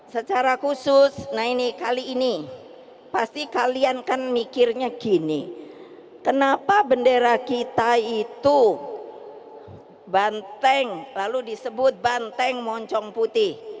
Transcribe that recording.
secara khusus nah ini kali ini pasti kalian kan mikirnya gini kenapa bendera kita itu banteng lalu disebut banteng moncong putih